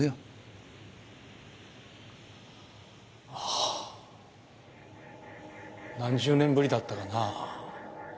ああ何十年ぶりだったかなぁ。